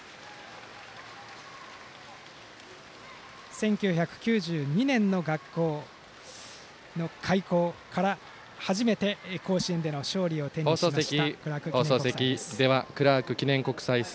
１９９２年の学校の開校から初めて甲子園の勝利を手にしましたクラーク記念国際です。